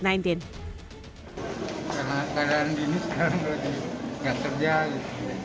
karena keadaan dini sekarang berarti nggak terjadi